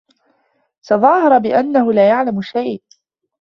تظاهر بأنه لا يعلم شيئا.